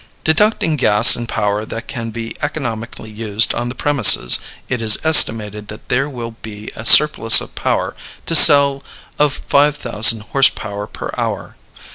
Deducting gas and power that can be economically used on the premises, it is estimated that there will be a surplus of power to sell of five thousand horse power per hour.